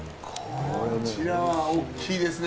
こちらは大きいですね。